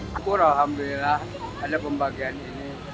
syukur alhamdulillah ada pembagian ini